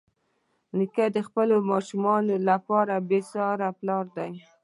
نیکه د خپلو ماشومانو لپاره یو بېساري پلار دی.